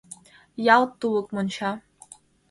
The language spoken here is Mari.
ялт тулык монча.